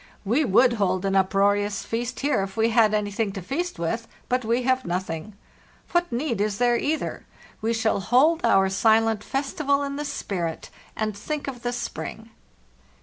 We would hold an uproarious feast here if we had anything to feast with; but we have nothing. What need is there, either? We shall hold 445 FARTHEST NORTH our silent festival in the spirit, and think of the spring.